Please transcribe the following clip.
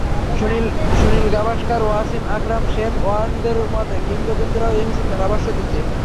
Sunil Gavaskar, Wasim Akram, Shane ওয়ার্নদের মতো কিংবদন্তিরাও এসেছেন ধারাভাষ্য দিতে।